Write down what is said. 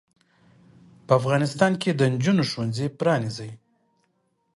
په افغانستان کې د انجونو ښوونځې پرانځئ.